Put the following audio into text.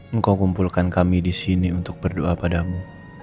engkau kumpulkan kami disini untuk berdoa padamu